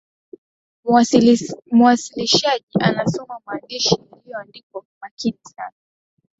muwasilishaji anasoma maandishi yaliyoandikwa kwa makini sana